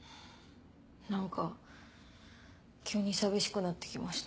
何か急に寂しくなって来ました。